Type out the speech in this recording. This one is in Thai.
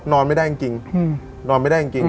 นอนไม่ได้จริง